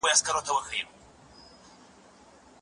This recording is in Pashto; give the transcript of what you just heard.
هوا خوره سي